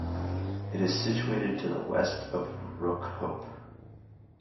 It is situated to the west of Rookhope.